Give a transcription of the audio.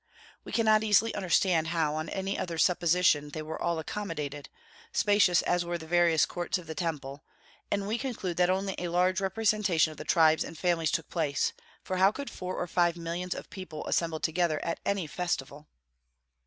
We cannot easily understand how on any other supposition they were all accommodated, spacious as were the various courts of the Temple; and we conclude that only a large representation of the tribes and families took place, for how could four or five millions of people assemble together at any festival?